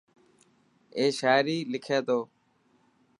اي شاعري لکي ٿو.